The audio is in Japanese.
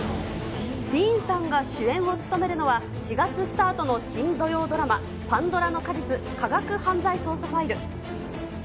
ディーンさんが主演を務めるのは、４月スタートの新土曜ドラマ、パンドラの果実・科学犯罪捜査ファイル。